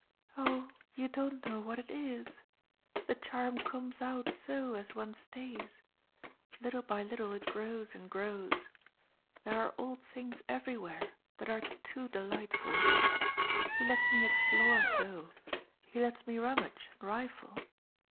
"Oh you don't know what it is the charm comes out so as one stays. Little by little it grows and grows. There are old things everywhere that are too delightful. He lets me explore so he lets me rummage and rifle.